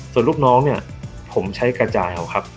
ส่วนลูกน้องเนี่ยผมใช้กระจายเอาครับ